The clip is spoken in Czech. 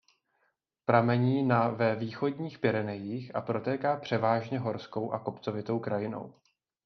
Pramení na ve Východních Pyrenejích a protéká převážně horskou a kopcovitou krajinou.